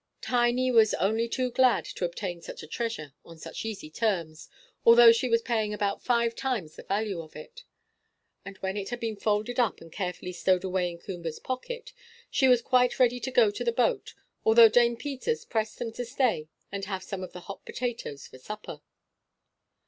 Tiny was only too glad to obtain such a treasure on such easy terms, although she was paying about five times the value of it; and when it had been folded up and carefully stowed away in Coomber's pocket, she was quite ready to go to the boat, although Dame Peters pressed them to stay and have some of the hot potatoes for supper.